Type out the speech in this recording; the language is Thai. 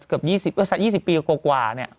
เกือบ๒๐ปีกว่านี่